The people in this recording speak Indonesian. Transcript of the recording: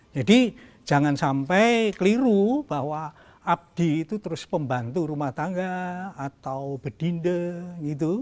jadi jangan sampai keliru bahwa abdi itu terus pembantu rumah tangga atau bedinda gitu